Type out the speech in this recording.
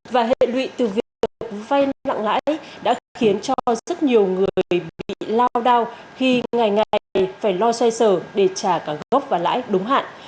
và hệ lụy từ việc vay nặng lãi đã khiến cho rất nhiều người bị lao đao khi ngày ngày phải lo xoay sở để trả cả gốc và lãi đúng hạn